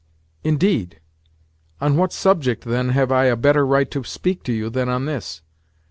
"Indeed? On what subject, then, have I a better right to speak to you than on this?